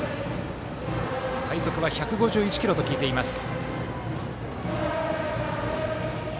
最速は１５１キロと聞いています。